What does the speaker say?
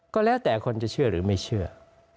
ก็แล้วแต่คนจะเชื่อหรือไม่เชื่อ